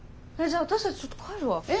えっじゃあ私たちちょっと帰るわ。